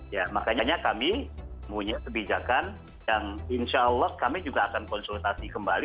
ya makanya kami punya kebijakan yang insya allah kami juga akan konsultasi kembali